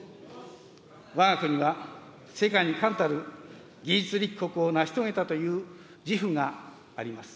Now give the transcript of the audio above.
わが国は世界に冠たる技術立国を成し遂げたという自負があります。